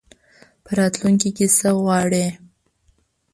په راتلونکي کي څه غواړې ؟